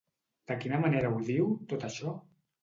De quina manera ho diu, tot això?